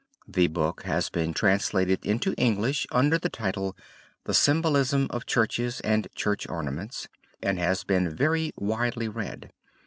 The book has been translated into English under the title. The Symbolism of Churches and Church Ornaments, and has been very widely read.